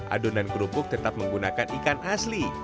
adonan kerupuk tetap menggunakan ikan asli